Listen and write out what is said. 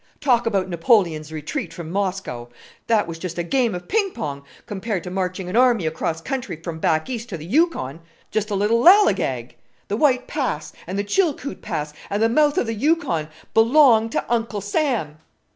Talk about Napoleon's retreat from Moscow! That was just a game of ping pong compared to marching an army across country from back East to the Yukon! just a little lally gag. The White Pass, and the Chilkoot Pass, and the mouth of the Yukon, belong to Uncle Sam...."